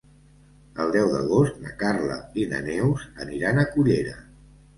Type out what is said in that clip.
El deu d'agost na Carla i na Neus aniran a Cullera.